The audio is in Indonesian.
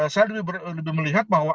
saya lebih melihat bahwa